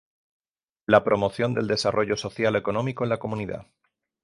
La promoción del desarrollo social económico en la comunidad.